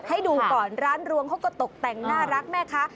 ให้ดูก่อนร้านรวงเขาก็ตกแต่งน่ารักแม่ค้า